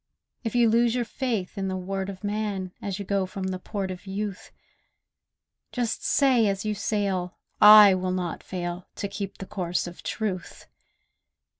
If you lose your faith in the word of man As you go from the port of youth, Just say as you sail, 'I will not fail To keep to the course of truth!